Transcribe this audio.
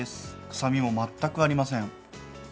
臭みも全くありません。